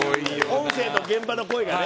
音声と現場の声がね。